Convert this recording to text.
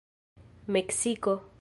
meksiko